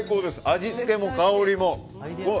味付けも香りも。